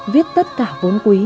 viết tất cả vốn quý